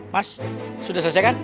mas sudah selesai kan